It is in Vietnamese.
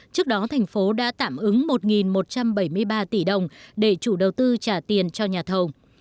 trước đó thành phố đã tạm ứng một một trăm bảy mươi ba tỷ đồng để chủ đầu tư trả tiền cho nhà thầu